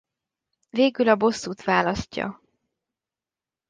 Végül a bosszút választja.